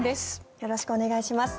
よろしくお願いします。